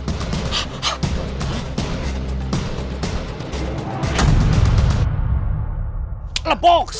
ini biar pas